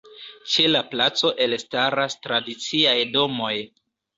Ĉe la placo elstaras tradiciaj domoj.